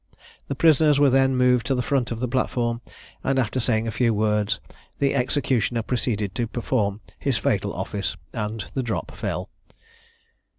The prisoners were then moved to the front of the platform; and, after saying a few words, the executioner proceeded to perform his fatal office, and the drop fell.